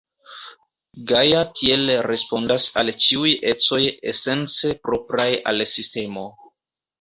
Gaja tiel respondas al ĉiuj ecoj esence propraj al sistemo.